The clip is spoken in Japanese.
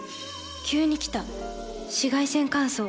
急に来た紫外線乾燥。